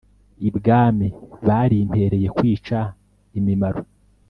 Ibwami barimpereye kwica imimaro.